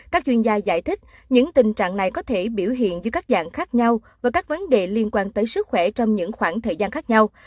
các chuyên gia giải thích những tình trạng này có thể biểu hiện dưới các dạng khác nhau và các vấn đề liên quan tới sức khỏe trong những khoảng thời gian khác nhau